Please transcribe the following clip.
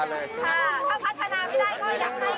พัฒนาไม่ได้ให้เร็วกระเบียน